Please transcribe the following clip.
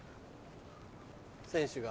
選手が。